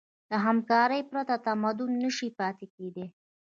له همکارۍ پرته تمدن نهشي پاتې کېدی.